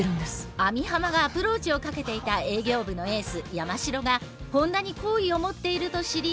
網浜がアプローチをかけていた営業部のエース山城が本田に好意を持っていると知り。